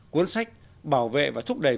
cuốn sách bảo vệ và thúc đẩy